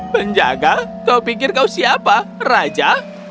penjaga kau pikir kau siapa raja